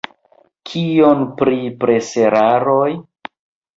Kion pri preseraroj?